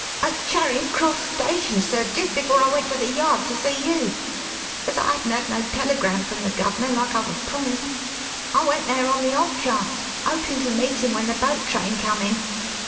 "At Charing Cross station, sir, jist before I went to the Yard to see you. As I hadn't had no telegram from the guv'ner, like I was promised, I went there on the off chance, hopin' to meet him when the boat train come in.